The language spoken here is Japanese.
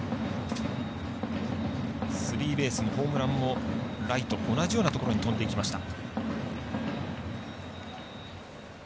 スリーベースもホームランもライト同じようなところに飛んでいきました。